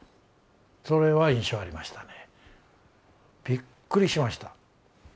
それは印象ありましたね。